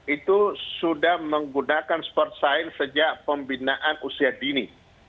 itu sudah menggunakan sport science sejak pembinaan usia dini